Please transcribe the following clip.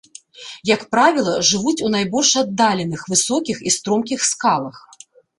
Як правіла, жывуць у найбольш аддаленых, высокіх і стромкіх скалах.